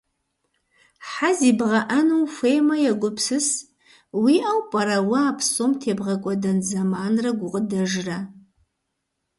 Хьэ зибгъэӏэну ухуеймэ, егупсыс, уиӏэу пӏэрэ уэ а псом тебгъэкӏуэдэн зэманрэ гукъыдэжрэ.